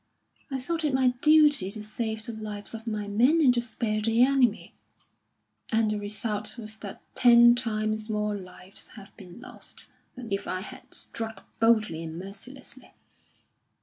I thought it my duty to save the lives of my men and to spare the enemy; and the result was that ten times more lives have been lost than if I had struck boldly and mercilessly.